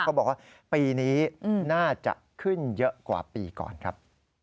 เขาบอกว่าปีนี้น่าจะขึ้นเยอะกว่าปีก่อนครับ